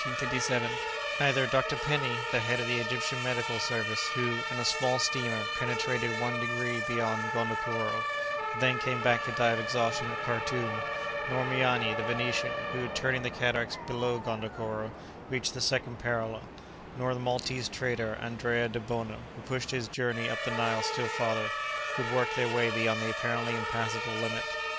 Neither Dr. Penney—the head of the Egyptian medical service, who, in a small steamer, penetrated one degree beyond Gondokoro, and then came back to die of exhaustion at Karthoum—nor Miani, the Venetian, who, turning the cataracts below Gondokoro, reached the second parallel—nor the Maltese trader, Andrea Debono, who pushed his journey up the Nile still farther—could work their way beyond the apparently impassable limit.